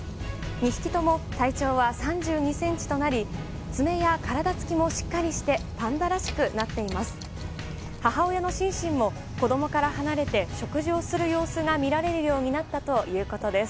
２匹とも体長は３２ｃｍとなり爪や体つきもしっかりしてパンダらしくなっています。